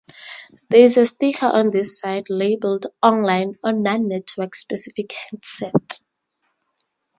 There is a sticker on this side, labeled "Online" on non-network specific handsets.